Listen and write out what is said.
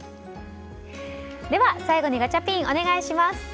では最後にガチャピンお願いします。